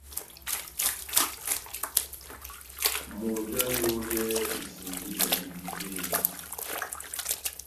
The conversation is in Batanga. Moto aháyodɛ isinji ijanidi jémi.